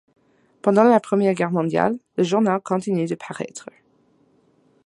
Pendant la Première Guerre mondiale, le journal continue de paraître.